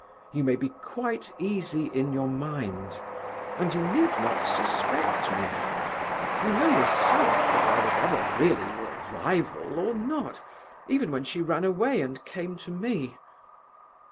You may be quite easy in your mind, and you need not suspect me. You know yourself whether I was ever really your rival or not, even when she ran away and came to me.